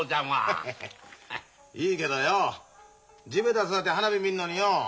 ハハハいいけどよ地べた座って花火見んのによ